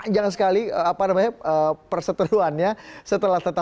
jangan tentu apa ya